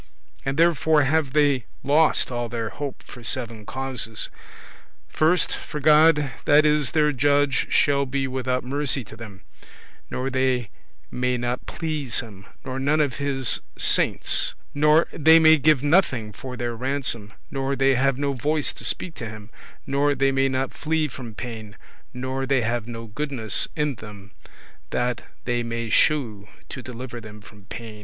And therefore have they lost all their hope for seven causes. First, for God that is their judge shall be without mercy to them; nor they may not please him; nor none of his hallows [saints]; nor they may give nothing for their ransom; nor they have no voice to speak to him; nor they may not flee from pain; nor they have no goodness in them that they may shew to deliver them from pain.